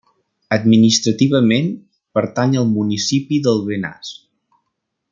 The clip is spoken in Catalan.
Administrativament, pertany al municipi del Benasc.